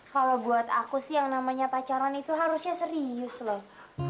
kalau buat aku sih yang namanya pacaran itu harusnya serius loh